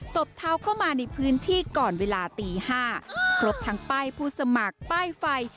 ตบเท้าเข้ามาในพื้นที่ก่อนเวลาตี๕ครบทั้งป้ายผู้สมัครป้ายไฟ